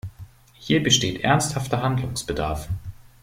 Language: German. Hier besteht ernsthafter Handlungsbedarf.